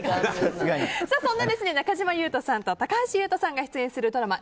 そんな中島裕翔さんと高橋優斗さんが出演するドラマ